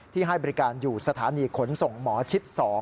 ให้บริการอยู่สถานีขนส่งหมอชิด๒